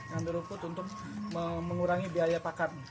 yang terluput untuk mengurangi biaya pakan